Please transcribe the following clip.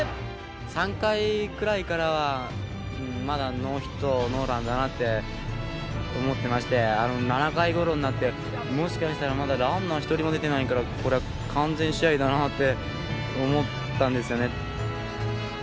３回くらいからはまだノーヒットノーランだなって思ってまして７回ごろになってもしかしたらまだランナー一人も出てないからこりゃ完全試合だなって思ったんですよね。